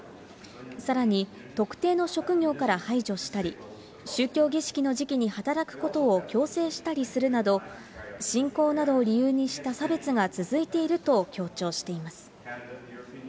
さらに、特定の職業から排除したり、宗教儀式の時期に働くことを強制したりするなど、信仰などを理由にした差別が続いていると強調しています。